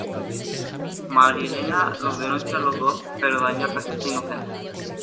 Marielena los denuncia a los dos pero Daniel resulta inocente.